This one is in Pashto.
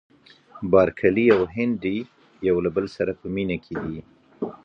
بارکلي او هنري یو له بل سره په مینه کې دي.